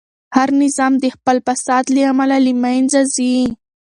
هر نظام د خپل فساد له امله له منځه ځي.